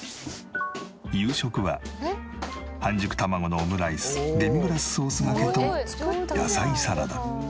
夕食は半熟卵のオムライスデミグラスソースがけと野菜サラダ。